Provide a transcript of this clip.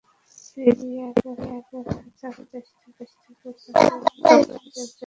সিরিয়ার হাসাকে প্রদেশ থেকে তাঁকে রাকা প্রদেশের একটি হাসপাতালে নেওয়া হয়েছে।